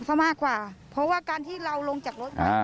ซะมากกว่าเพราะว่าการที่เราลงจากรถ